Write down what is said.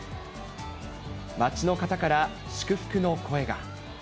街の方から祝福の声が。